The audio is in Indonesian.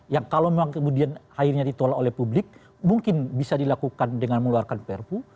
yang kalau memang kemudian akhirnya ditolak oleh publik mungkin bisa dilakukan dengan mengeluarkan perpu